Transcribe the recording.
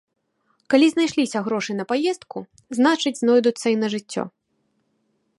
Калі знайшліся грошы на паездку, значыць, знойдуцца і на жыццё.